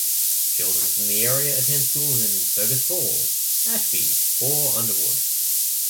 Children from the area attend schools in Fergus Falls, Ashby, or Underwood.